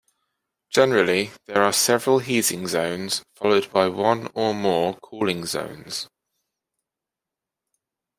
Generally there are several heating zones followed by one or more cooling zones.